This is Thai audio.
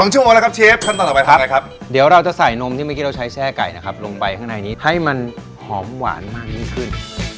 ชั่วโมงแล้วครับเชฟขั้นตอนต่อไปครับเดี๋ยวเราจะใส่นมที่เมื่อกี้เราใช้แช่ไก่นะครับลงไปข้างในนี้ให้มันหอมหวานมากยิ่งขึ้น